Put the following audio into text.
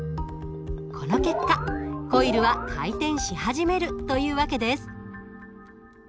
この結果コイルは回転し始めるという訳です。